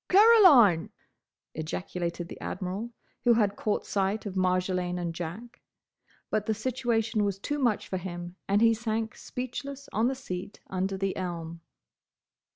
"Caroline—!" ejaculated the Admiral, who had caught sight of Marjolaine and Jack. But the situation was too much for him, and he sank speechless on the seat under the elm.